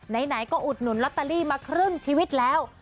ไหนก็อุดหนุนลอตเตอรี่มาครึ่งชีวิตแล้ว